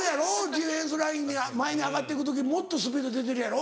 ディフェンスラインに前に上がってく時もっとスピード出てるやろ？